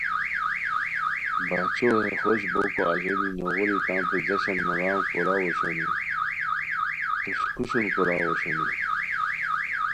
! باچھو ہے خوش بوکو اژیلی نوغوری تانتے جشن مناؤ کوراؤ اوشونی، تھوشکوشون کوراؤ اوشونی